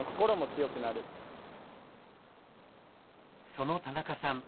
その田中さん。